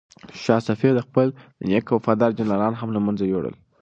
شاه صفي د خپل نیکه وفادار جنرالان هم له منځه یووړل.